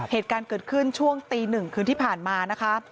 เหตุการณ์เกิดขึ้นช่วงตีหนึ่งคืนที่ผ่านมานะคะ